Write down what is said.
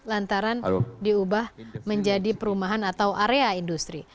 lantaran diubah menjadi perumahan atau area industri